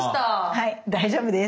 はい大丈夫です。